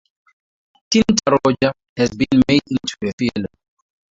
"Tinta roja" has been made into a film.